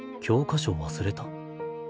「教科書忘れた」？